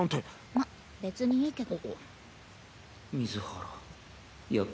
まっ別にいいけど。